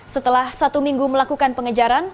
setelah satu minggu melakukan pengejaran